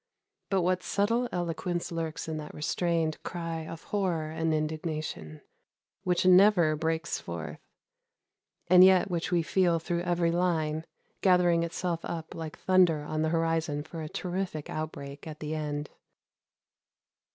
But what subtle eloquence lurks in that restrained cry of horror and indignation which never breaks forth, and yet which we feel through every line, gathering itself up like thunder on the horizon for a terrific outbreak at the end!